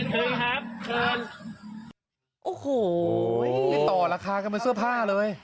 โหนี่ต่อราคากันมาเสื้อผ้าเลย